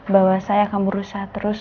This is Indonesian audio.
bahwa saya akan merusak terus